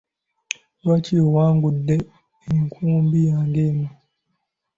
Lwaki owangudde enkumbi yange eno?